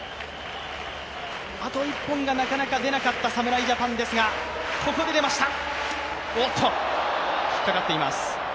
あと１本がなかなか出なかった侍ジャパンですが、ここで出ました。